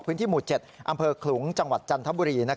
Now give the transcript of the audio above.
พื้นที่หมู่๗อำเภอขลุงจังหวัดจันทบุรี